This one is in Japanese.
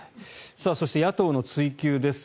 そして、野党の追及です。